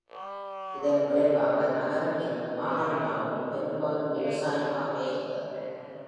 இதன் விளைவாக, நகரம் இன்னும் மாகாணமாகவும், பெரும்பாலும் விவசாயமாகவே இருந்தது.